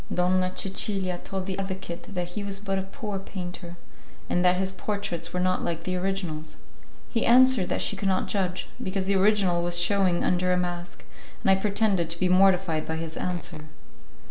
Donna Cecilia told the advocate that he was but a poor painter, and that his portraits were not like the originals; he answered that she could not judge, because the original was shewing under a mask, and I pretended to be mortified by his answer.